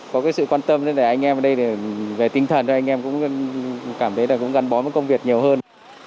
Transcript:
có cái sự quan tâm để anh em ở đây về tinh thần anh em cũng cảm thấy gắn bó với công việc nhiều hơn